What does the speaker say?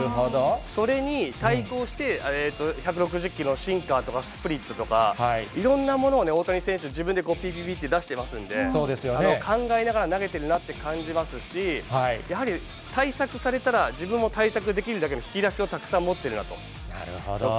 それに対抗して、１６０キロのシンカーとか、スプリットとか、いろんなものを大谷選手、自分でぴぴぴって出してますんで、考えながら投げてるなって感じますし、やはり対策されたら、自分も対策できるだけの引き出しをたくさん持ってるなと。